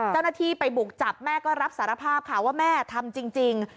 เจ้าหน้าที่ไปบุกจับแม่ก็รับสารภาพค่ะว่าแม่ทำจริง